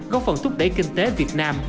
góp phần thúc đẩy kinh tế việt nam